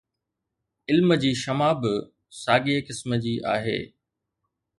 علم جي شمع به ساڳي قسم جي آهي.